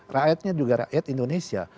rakyatnya juga rakyat indonesia